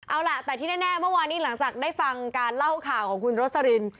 เอาล่ะแต่ที่แน่เมื่อวานนี้หลังจากได้ฟังการเล่าข่าวของคุณโรสลิน